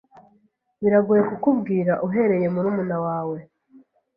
Biragoye kukubwira uhereye murumuna wawe.